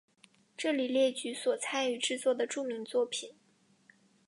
这里列举所参与制作的著名作品。